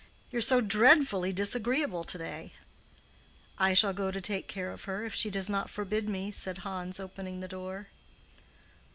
You are so dreadfully disagreeable to day." "I shall go to take care of her, if she does not forbid me," said Hans, opening the door.